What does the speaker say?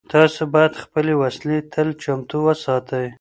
تاسو باید خپلې وسلې تل چمتو وساتئ.